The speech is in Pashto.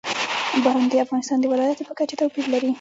باران د افغانستان د ولایاتو په کچه توپیر لري.